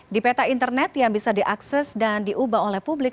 di peta internet yang bisa diakses dan diubah oleh publik